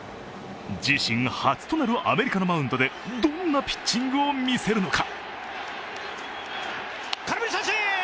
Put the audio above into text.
自身初となるアメリカのマウンドでどんなピッチングをみせるのか。